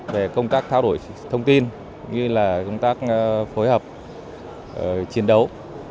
về công tác tháo đổi thông tin cũng như là công tác phối hợp chiến đấu